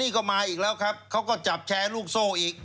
นี่ก็มาอีกแล้วครับเขาก็จับแชร์ลูกโซ่อีก